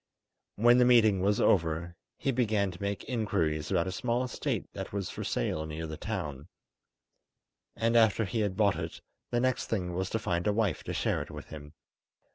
When the meeting was over, he began to make inquiries about a small estate that was for sale near the town, and after he had bought it the next thing was to find a wife to share it with him.